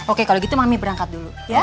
oke kalo gitu mami berangkat dulu ya